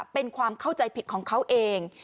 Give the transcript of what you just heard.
เป็นความเข้าใจผิดของเขาเอง